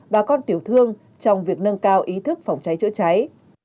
bà con tiểu thương trong việc nâng cao ý thức phòng cháy chữa cháy